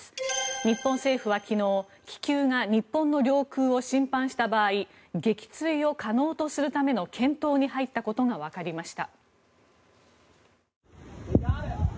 日本政府は昨日、気球が日本の領空を侵犯した場合撃墜を可能とするための検討に入ったことがわかりました。